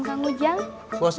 ya udah atuh